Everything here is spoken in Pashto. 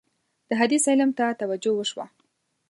د حدیث علم ته توجه وشوه.